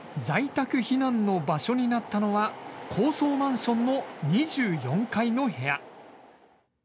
在宅避難の場所になったのは高層マンションの２４階の部屋。